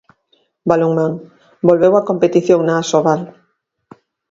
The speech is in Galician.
Balonmán, volveu a competición na Asobal.